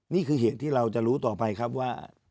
นี่คือเหตุที่เราจะรู้ต่อไปครับว่า